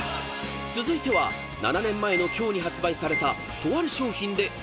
［続いては７年前の今日に発売されたとある商品で］